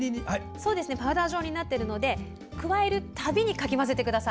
パウダー状になっているので加えるたびにかき混ぜてください。